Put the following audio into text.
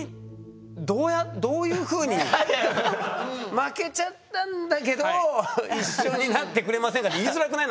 負けちゃったんだけど一緒になってくれませんか？って言いづらくない？